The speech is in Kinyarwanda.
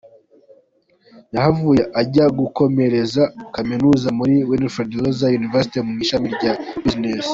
Yahavuye ajya gukomereza Kaminuza muri Wilfred Laurier University mu ishami rya Business.